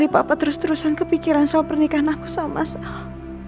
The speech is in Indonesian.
sekali papa terus terusan kepikiran selama pernikahan aku sama sol